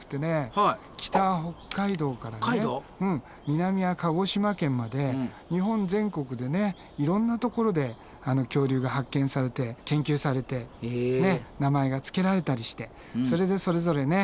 北は北海道から南は鹿児島県まで日本全国でねいろんなところで恐竜が発見されて研究されて名前がつけられたりしてそれでそれぞれね